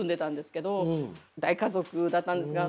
大家族だったんですが。